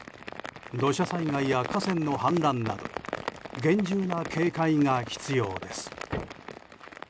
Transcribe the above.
土砂災害や河川の氾濫など厳重な警戒が必要です。